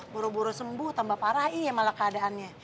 buru buru sembuh tambah parahi ya malah keadaannya